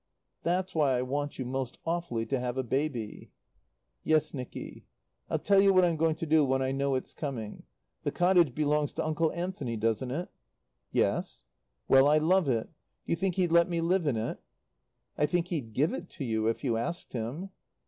"That's why I want you most awfully to have a baby." "Yes, Nicky. "I'll tell you what I'm going to do when I know it's coming. The cottage belongs to Uncle Anthony, doesn't it?" "Yes." "Well, I love it. Do you think he'd let me live in it?" "I think he'd give it to you if you asked him."